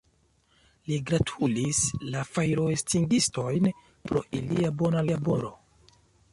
Li gratulis la fajroestingistojn pro ilia bona laboro.